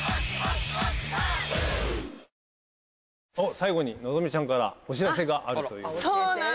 最後に希ちゃんからお知らせがあるということで。